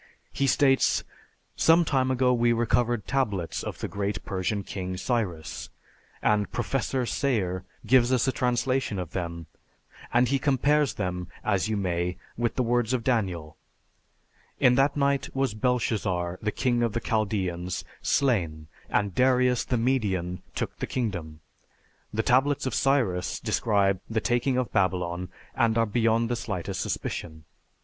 He states, "Some time ago we recovered tablets of the great Persian king, Cyrus, and Professor Sayre gives us a translation of them, and he compares them, as you may, with the words of Daniel, 'In that night was Belshazzar, the king of the Chaldeans, slain, and Darius the Median took the kingdom.' The tablets of Cyrus describe the taking of Babylon, and are beyond the slightest suspicion.